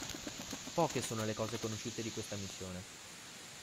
Poche sono le cose conosciute di questa missione.